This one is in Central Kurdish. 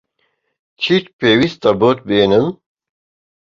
چیت پێویستە بۆت بێنم؟